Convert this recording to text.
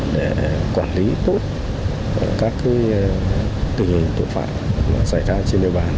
để quản lý tốt các tình hình tội phạm xảy ra trên địa bàn